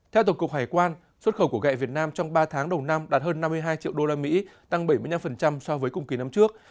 theo tổng cục hải quan xuất khẩu của gẹ việt nam trong ba tháng đầu năm đạt hơn năm mươi hai triệu usd tăng bảy mươi năm so với cùng kỳ năm trước